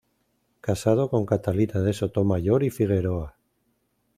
Casado con Catalina de Sotomayor y Figueroa.